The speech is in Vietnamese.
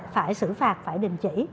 phải xử phạt phải đình chỉ